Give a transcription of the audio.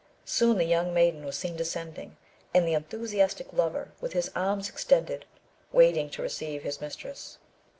Soon the young maiden was seen descending, and the enthusiastic lover, with his arms extended, waiting to receive his mistress.